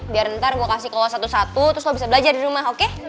biar ntar mau kasih kelas satu satu terus lo bisa belajar di rumah oke